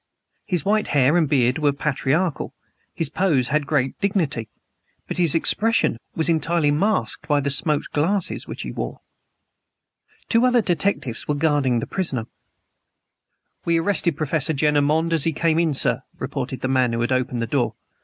His white hair and beard were patriarchal; his pose had great dignity. But his expression was entirely masked by the smoked glasses which he wore. Two other detectives were guarding the prisoner. "We arrested Professor Jenner Monde as he came in, sir," reported the man who had opened the door.